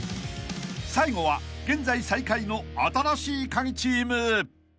［最後は現在最下位の新しいカギチーム］